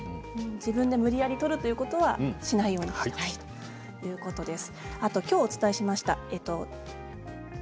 自分で無理やり取ることはしないようにということです。